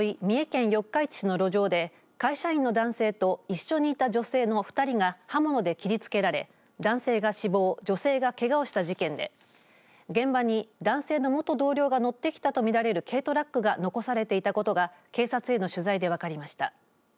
三重県四日市市の路上で会社員の男性と一緒にいた女性の２人が刃物で切りつけられ男性が死亡女性がけがをした事件で現場に男性の元同僚が乗ってきたとみられる軽トラックが残されていたことが警察への取材で分かりました。